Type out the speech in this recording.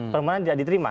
permohonan tidak diterima